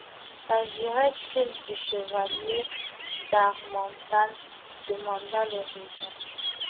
S'agirait-il du chevalier d'Harmental ? demanda le régent.